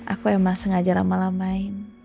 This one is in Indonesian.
aku emang sengaja lama lamain